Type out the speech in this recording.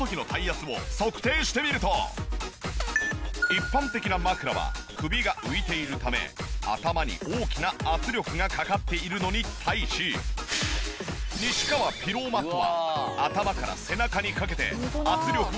一般的な枕は首が浮いているため頭に大きな圧力がかかっているのに対し西川ピローマットは頭から背中にかけて圧力を分散。